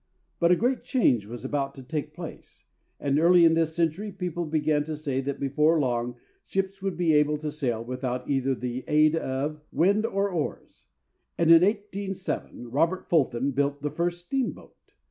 But a great change was about to take place; and early in this century people began to say that before long ships would be able to sail without either the aid of wind or oars, and in 1807 Robert Fulton built the first steamboat.